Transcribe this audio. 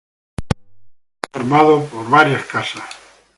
El más alto es el nuevo y está formado por varias casas.